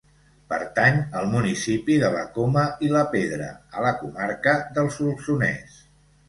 Pertany al municipi de la Coma i la Pedra a la comarca del Solsonès.